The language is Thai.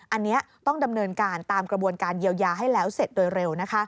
อันนี้ต้องดำเนินการตามกระบวนการเยียวยาให้แล้วเสร็จโดยเร็ว